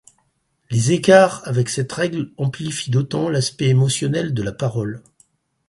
Les écarts avec cette règle amplifie d'autant l'aspect émotionnel de la parole.